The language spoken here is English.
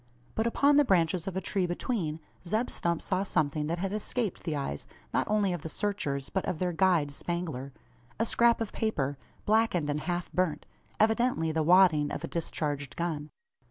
But upon the branches of a tree between, Zeb Stump saw something that had escaped the eyes not only of the searchers, but of their guide Spangler a scrap of paper, blackened and half burnt evidently the wadding of a discharged gun!